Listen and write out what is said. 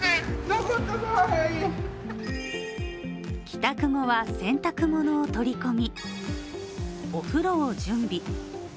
帰宅後は、洗濯物を取り込み、お風呂を準備。